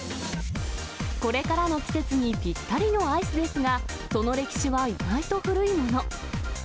これからの季節にぴったりのアイスですが、その歴史は意外と古いもの。